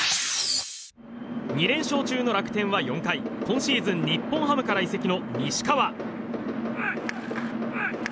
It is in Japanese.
２連勝中の楽天は４回今シーズン、日本ハムから移籍の西川。